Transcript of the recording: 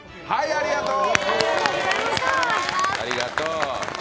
ありがとう。